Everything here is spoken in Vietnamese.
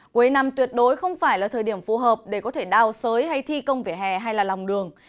cuối năm tuyệt đối không phải là thời điểm phù hợp để có thể đào sới hay thi công vỉa hè hay là lòng đường